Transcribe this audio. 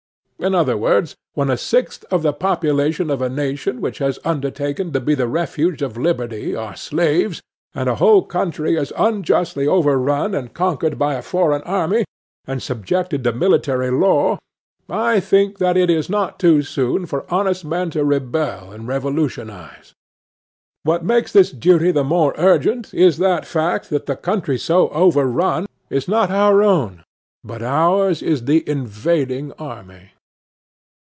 In other words, when a sixth of the population of a nation which has undertaken to be the refuge of liberty are slaves, and a whole country is unjustly overrun and conquered by a foreign army, and subjected to military law, I think that it is not too soon for honest men to rebel and revolutionize. What makes this duty the more urgent is that fact, that the country so overrun is not our own, but ours is the invading army.